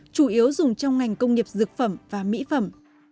chủ yếu dùng trong ngành công nghiệp dược phẩm và mỹ phẩm